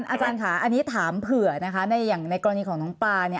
อาจารย์ค่ะอันนี้ถามเผื่อในกรณีของน้องพานี่